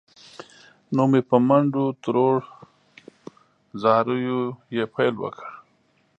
نو مې په منډو تروړ، زاریو یې پیل وکړ.